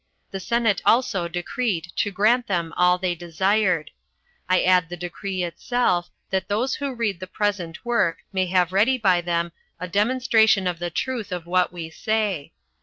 The senate also decreed to grant them all they desired. I add the decree itself, that those who read the present work may have ready by them a demonstration of the truth of what we say.